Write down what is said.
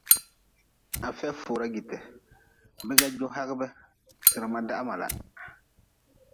Afia fura jite, biga ju hagʼbe, Sirma dah mala.